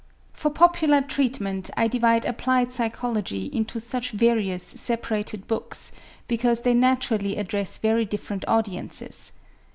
For popular treatment I divide applied psychology into such various, separated books because they naturally address very different audiences.